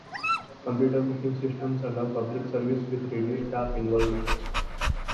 Computer booking systems allow public service with reduced staff involvement.